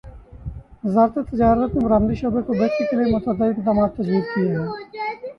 وزارت تجارت نے برآمدی شعبے کو بہتری کیلیے متعدد اقدامات تجویز کیے ہیں